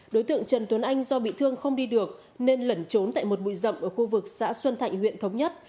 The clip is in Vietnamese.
đối tượng trần tuấn anh do bị thương không đi được nên lẩn trốn tại một bụi rậm ở khu vực xã xuân thạnh huyện thống nhất